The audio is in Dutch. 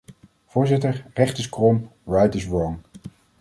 Voorzitter, recht is krom, right is wrong.